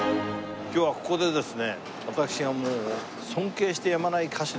今日はここでですね